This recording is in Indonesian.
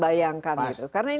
saya kira mereka yang